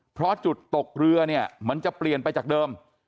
เพราะจุดตกเรือเนี่ยมันจะเปลี่ยนไปจากเดิม